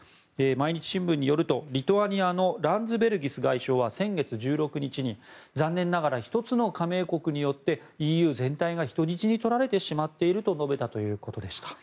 毎日新聞によると、リトアニアのランズベルギス外相は先月１６日に残念ながら１つの加盟国によってＥＵ全体が人質に取られてしまっていると述べたということでした。